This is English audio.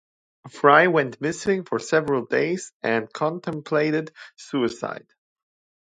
Fry went missing for several days and contemplated suicide.